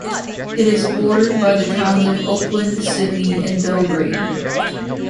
It is bordered by the towns of Oakland, Sidney, and Belgrade.